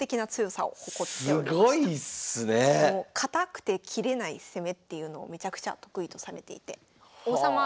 堅くて切れない攻めっていうのをめちゃくちゃ得意とされていて王様